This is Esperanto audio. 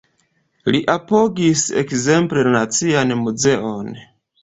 Li apogis ekzemple la Nacian Muzeon.